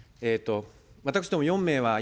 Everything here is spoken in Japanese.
私ども４名は、今、